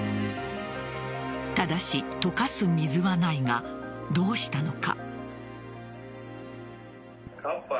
ただし溶かす水はないが、どうしたのか。